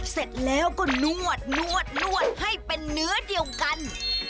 เสร็จแล้วก็นวดนวดให้เป็นเนื้อเดียวกัน